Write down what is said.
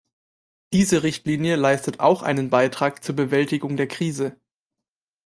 Diese Richtlinie leistet auch einen Beitrag zur Bewältigung der Krise.